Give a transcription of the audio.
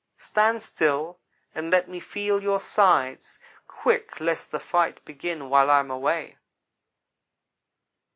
Stand still and let me feel your sides quick, lest the fight begin while I am away.'